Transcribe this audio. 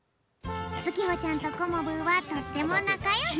つきほちゃんとコモブーはとってもなかよし！